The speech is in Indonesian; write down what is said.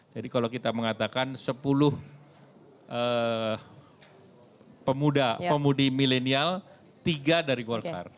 jadi kalau kita mengatakan sepuluh pemuda pemudi milenial tiga dari golkar